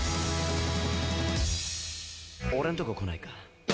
「俺んとここないか？」